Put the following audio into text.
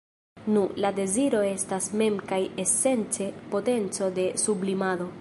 Nu, la deziro estas mem kaj esence potenco de sublimado.